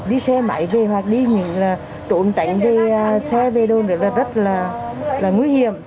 đi xe máy về hoặc đi những chỗ ổn định về xe về đâu nữa là rất là nguy hiểm